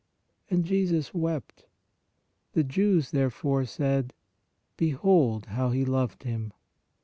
And Jesus wept. The Jews therefore said: Behold how He loved him.